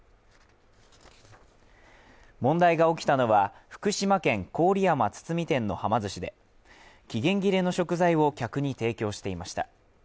問題が起きたのは、福島県郡山堤店のはま寿司で期限切れの食材を客に提供していました。